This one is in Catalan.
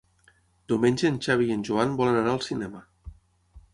Diumenge en Xavi i en Joan volen anar al cinema.